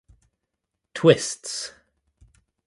Twists!